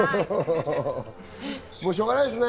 しょうがないですね。